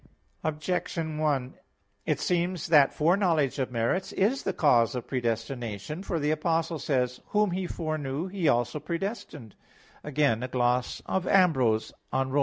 Objection 1: It seems that foreknowledge of merits is the cause of predestination. For the Apostle says (Rom. 8:29): "Whom He foreknew, He also predestined." Again a gloss of Ambrose on Rom.